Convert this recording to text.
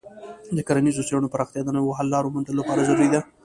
د کرنیزو څیړنو پراختیا د نویو حل لارو موندلو لپاره ضروري ده.